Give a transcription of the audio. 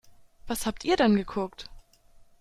Was habt ihr denn geguckt?